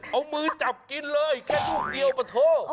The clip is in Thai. เอามือจับกินเลยแค่ลูกเดียวปะโถ